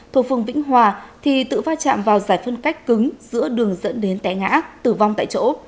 thuộc phường vĩnh hòa thì tự va chạm vào giải phân cách cứng giữa đường dẫn đến té ngã tử vong tại chỗ